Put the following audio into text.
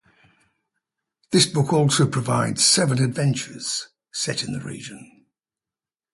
The book also provides seven adventures set in the region.